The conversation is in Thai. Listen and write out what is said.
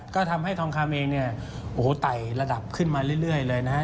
ก็ทำให้ทองคำเองเนี่ยโอ้โหไต่ระดับขึ้นมาเรื่อยเลยนะฮะ